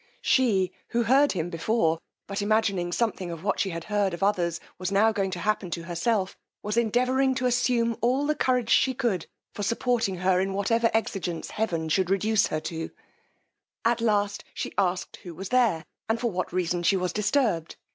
She, who heard him before, but imagining something of what she had heard of others was now going to happen to herself, was endeavouring to assume all the courage she could for supporting her in whatever exigence heaven should reduce her to: at last she asked who was there, and for what reason she was disturbed.